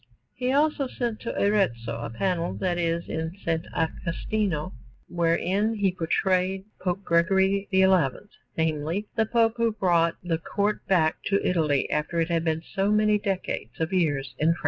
He also sent to Arezzo a panel that is in S. Agostino, wherein he portrayed Pope Gregory XI namely, the Pope who brought the Court back to Italy after it had been so many decades of years in France.